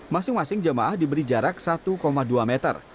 masing masing jemaah diberi jarak satu dua meter